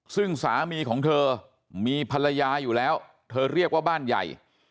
ซึ่งสามีของเธอมีภรรยาอยู่แล้วเธอเรียกว่าบ้านใหญ่